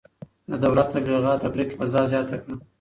د دولت تبلیغاتو د کرکې فضا زیاته کړه.